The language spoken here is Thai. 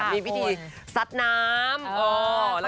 มีพิธีซัดน้ำ